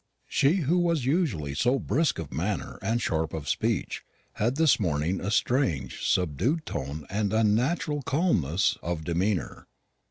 She who was usually so brisk of manner and sharp of speech, had this morning a strange subdued tone and an unnatural calmness of demeanour.